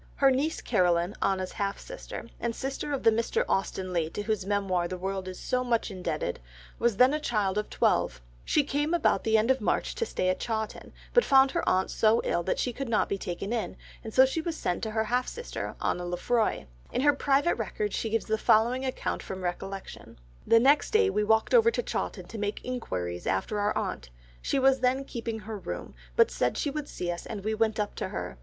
Her niece Caroline, Anna's half sister, and sister of the Mr. Austen Leigh to whose Memoir the world is so much indebted, was then a child of twelve; she came about the end of March to stay at Chawton, but found her aunt so ill that she could not be taken in, so she was sent on to her half sister Anna Lefroy; in her private records she gives the following account from recollection: "The next day we walked over to Chawton to make enquiries after our aunt, she was then keeping her room, but said she would see us and we went up to her.